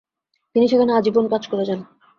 তিনি সেখানে আজীবন কাজ করে যান।